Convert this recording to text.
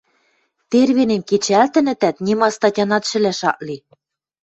Тервенем кечӓлтӹнӹтӓт, нима статянат шӹлӓш ак ли.